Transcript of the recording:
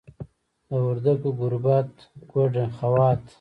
د وردګو ګوربت، ګوډه، خوات